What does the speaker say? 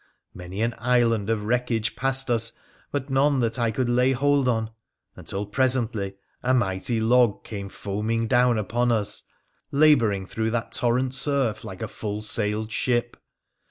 Many an island of wreckage passed us, but none that I could lay hold on, until presently a mighty log came foaming down upon us, labouring through that torrent surf like a full sailed ship.